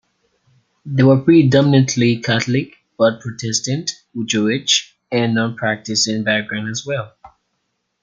They were predominantly Catholic, but Protestant, Jewish, and non-practicing backgrounds as well.